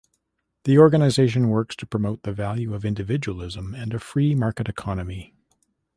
The organization works to promote the value of individualism and a free market economy.